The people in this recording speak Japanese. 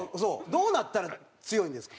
どうなったら強いんですか？